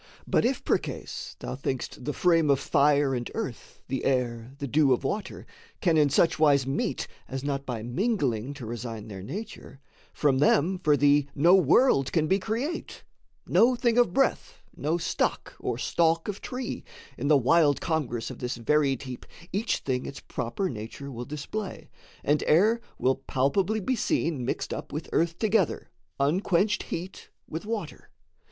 But if percase Thou think'st the frame of fire and earth, the air, The dew of water can in such wise meet As not by mingling to resign their nature, From them for thee no world can be create No thing of breath, no stock or stalk of tree: In the wild congress of this varied heap Each thing its proper nature will display, And air will palpably be seen mixed up With earth together, unquenched heat with water.